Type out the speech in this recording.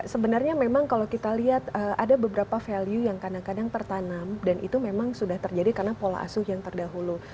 sebenarnya memang kalau kita lihat ada beberapa value yang kadang kadang tertanam dan itu memang sudah terjadi karena pola asuh yang terdahulu